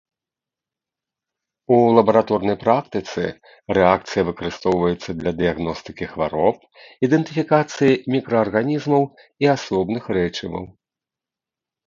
У лабараторнай практыцы рэакцыя выкарыстоўваецца для дыягностыкі хвароб, ідэнтыфікацыі мікраарганізмаў і асобных рэчываў.